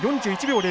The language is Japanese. ４１秒０９。